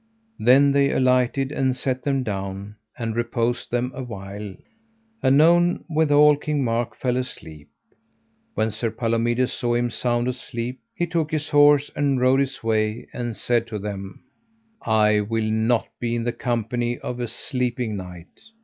Then they alighted and set them down and reposed them a while. Anon withal King Mark fell asleep. When Sir Palomides saw him sound asleep he took his horse and rode his way, and said to them: I will not be in the company of a sleeping knight.